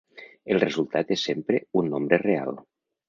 El resultat és sempre un nombre real.